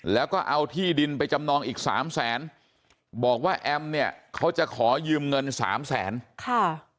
แล้วก็เอาที่ดินไปจำนองอีกสามแสนบอกว่าแอมเนี่ยเขาจะขอยืมเงินสามแสนค่ะ